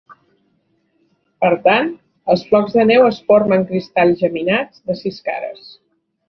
Per tant, els flocs de neu es formen cristalls geminats de sis cares.